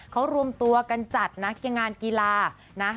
เขารวมตัวกันจัดนะงานกีฬานะ